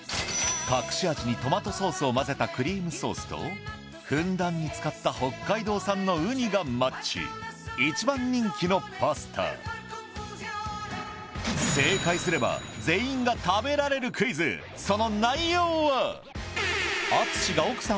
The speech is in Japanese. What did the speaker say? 隠し味にトマトソースを混ぜたクリームソースとふんだんに使った北海道産のウニがマッチ一番人気のパスタ正解すれば全員が食べられるクイズその内容は？